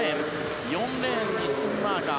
４レーンにスクンマーカー。